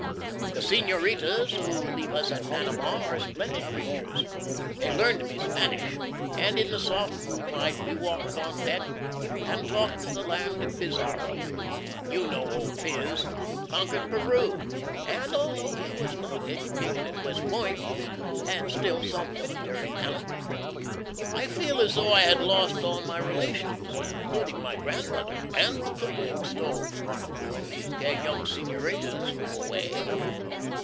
The Senoritas who leave us at Panama are splendid creatures. They learned me Spanish, and in the soft moonlight we walked on deck and talked of the land of Pizarro. (You know old Piz. conquered Peru! and although he was not educated at West Point, he had still some military talent.) I feel as though I had lost all my relations, including my grandmother and the cooking stove when these gay young Senoritas go away.